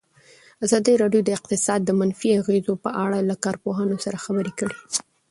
ازادي راډیو د اقتصاد د منفي اغېزو په اړه له کارپوهانو سره خبرې کړي.